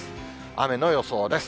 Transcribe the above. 雨の予想です。